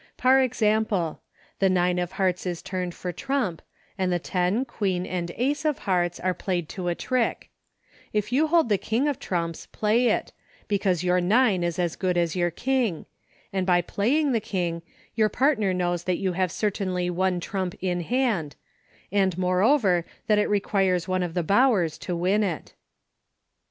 Par example: The nine of hearts is turned for trump, and the ten, Queen and Ace, of hearts, are played to a trick ; if you hold the King of trumps play it, because your nine is as good as your King, and by playing the King your partner knows that you have certainly one trump in hand, and moreover, that it requires one of the Bowers to win it.